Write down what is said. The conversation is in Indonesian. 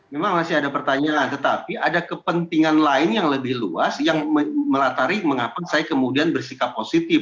memang masih ada pertanyaan tetapi ada kepentingan lain yang lebih luas yang melatari mengapa saya kemudian bersikap positif